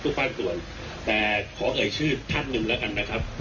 ภาคส่วนแต่ขอเอ่ยชื่อท่านหนึ่งแล้วกันนะครับ